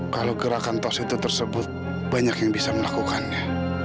kalau gerakan tos itu tersebut banyak yang bisa melakukannya